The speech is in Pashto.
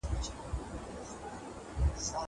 دا سیر له هغه ښه دی!!